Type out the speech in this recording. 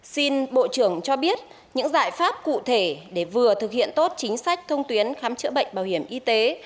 xin bộ trưởng cho biết những giải pháp cụ thể để vừa thực hiện tốt chính sách thông tuyến khám chữa bệnh bảo hiểm y tế